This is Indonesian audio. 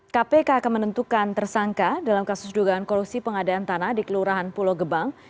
kpk akan menentukan tersangka dalam kasus dugaan korupsi pengadaan tanah di kelurahan pulau gebang